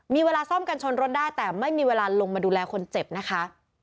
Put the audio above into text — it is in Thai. มีเวลาซ่อมกันชนรถได้แต่ไม่มีเวลาลงมาดูแลคนเจ็บนะคะ